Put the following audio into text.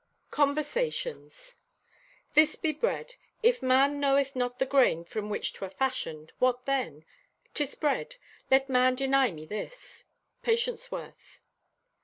CONVERSATIONS "This be bread. If man knoweth not the grain from which 'twer fashioned, what then? 'Tis bread. Let man deny me this."—PATIENCE WORTH.